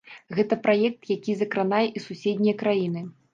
Гэта праект, які закранае і суседнія краіны.